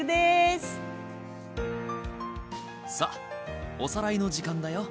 さあおさらいの時間だよ。